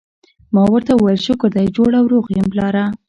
ما ورته وویل: شکر دی جوړ او روغ یم، پلاره.